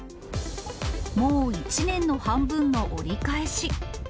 もう１年の半分の折り返し。